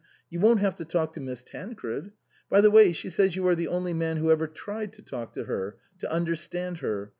You won't have to talk to Miss Tancred. By the way, she says you are the only man who ever tried to talk to her to understand her.